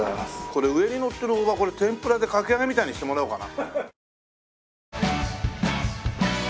これ上にのってる大葉天ぷらでかき揚げみたいにしてもらおうかな。